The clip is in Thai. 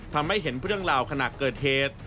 ทำให้เห็นเรื่องราวขณะเกิดเหตุ